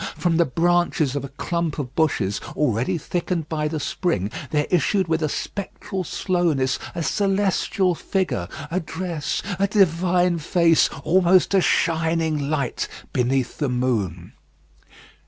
From the branches of a clump of bushes, already thickened by the spring, there issued with a spectral slowness a celestial figure, a dress, a divine face, almost a shining light beneath the moon.